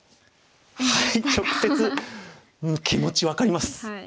直接気持ち分かります。